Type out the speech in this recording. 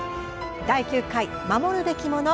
第９回「守るべきもの」